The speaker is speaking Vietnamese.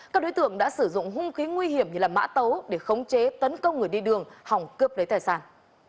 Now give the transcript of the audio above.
các đối tượng đã sử dụng hung khí nguy hiểm như mã tấu để khống chế tấn công người đi đường hỏng cướp lấy tài sản